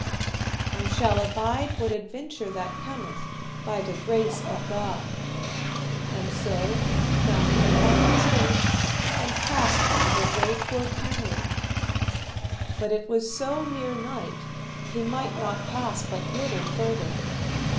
I shall abide what adventure that cometh by the grace of God, and so mounted upon his horse, and passed on his way toward Camelot; but it was so near night he might not pass but little further.